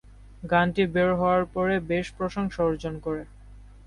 গানটি বের হওয়ার পরে বেশ প্রশংসা অর্জন করে।